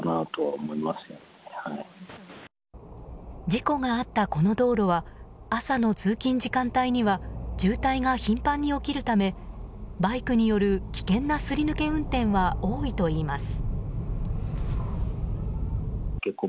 事故があったこの道路は朝の通勤時間帯には渋滞が頻繁に起きるためバイクによる危険なすり抜け運転は多いといいます。